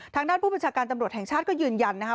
ทางด้านผู้บัญชาการตำรวจแห่งชาติก็ยืนยันนะคะ